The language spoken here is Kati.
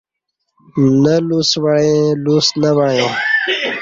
نہ لُس وعیں لُس نہ وعیاں